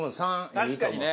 確かにね。